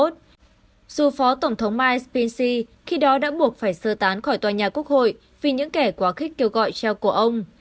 dù phó tổng thống mike spinsi khi đó đã buộc phải sơ tán khỏi tòa nhà quốc hội vì những kẻ quá khích kêu gọi treo cổ ông